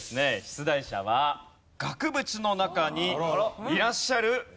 出題者は額縁の中にいらっしゃる方々です。